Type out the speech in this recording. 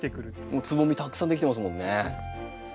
もうつぼみたくさんできてますもんね。